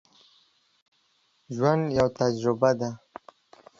ژوند یوه تجربه ده